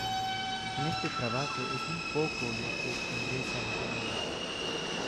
De este trabajo es muy poco lo que ingresa la familia.